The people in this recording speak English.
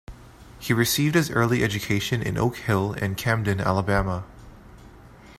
He received his early education in Oak Hill and Camden, Alabama.